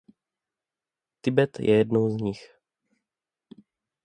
Tibet je jednou z nich.